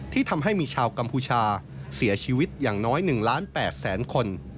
ทำให้มีชาวกัมพูชาเสียชีวิตอย่างน้อย๑ล้าน๘แสนคน